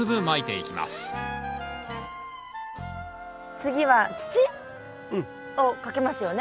次は土をかけますよね？